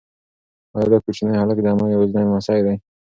ایا دا کوچنی هلک د انا یوازینی لمسی دی؟